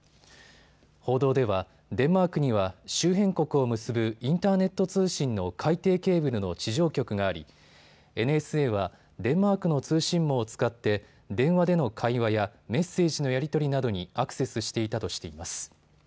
報道では、デンマークには周辺国を結ぶインターネット通信の海底ケーブルの地上局がありＮＳＡはデンマークの通信網を使って電話での会話やメッセージのやり取りなどにアクセスしていたとしています。